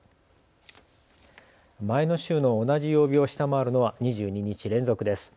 前の週の同じ曜日を下回るのは２２日連続です。